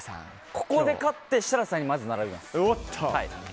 ここで勝って設楽さんにまず並びます。